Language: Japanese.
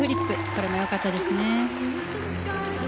これも良かったですね。